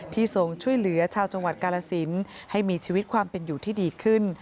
ทรงช่วยเหลือชาวจังหวัดกาลสินให้มีชีวิตความเป็นอยู่ที่ดีขึ้น